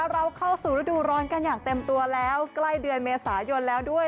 เราเข้าสู่ฤดูร้อนกันอย่างเต็มตัวแล้วใกล้เดือนเมษายนแล้วด้วย